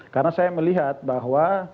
karena saya melihat bahwa